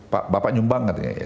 pak bapak nyumbang katanya